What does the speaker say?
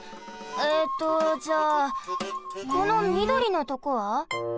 えっとじゃあこのみどりのとこは？